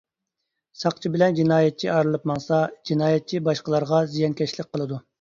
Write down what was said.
ساقچى بىلەن جىنايەتچى ئايرىلىپ ماڭسا، جىنايەتچى باشقىلارغا زىيانكەشلىك قىلىدۇ.